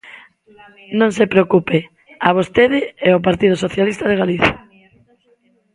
Non se preocupe, a vostede e ao Partido Socialista de Galicia.